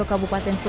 kabupaten jawa timur